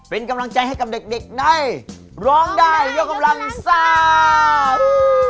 เป็นกำลังใจให้กับเด็กในร้องได้ยกกำลังซ่า